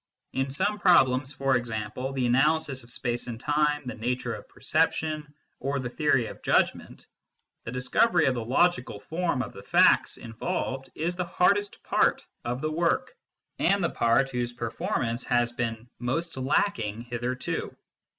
In some problems, for example, the analysis of space and time, the nature of perception, or the theory of judgment, the discovery of the logical form of the facts involved is the hardest part of the work and the part whose performance has been most lacking hitherto.